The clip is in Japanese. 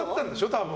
多分。